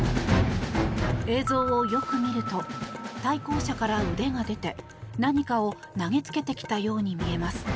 映像をよく見ると対向車から腕が出て何かを投げつけてきたように見えます。